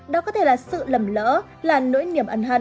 đó có thể là sự lầm lỡ là nỗi niềm ẩn hận